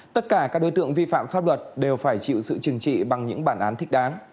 tất cả các đối tượng vi phạm pháp luật đều phải chịu sự chừng trị bằng những bản án thích đáng